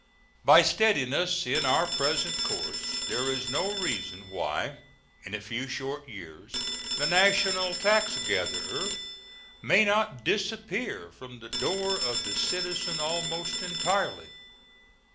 By steadiness in our present course there is no reason why in a few short years the national taxgatherer may not disappear from the door of the citizen almost entirely.